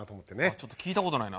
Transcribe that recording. ちょっと聞いた事ないな。